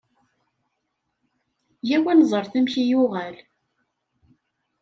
Yya-w ad neẓret amek i yuɣal.